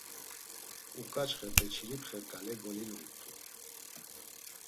Uǩaçxe Beçiripxe ǩale golinonkt̆u.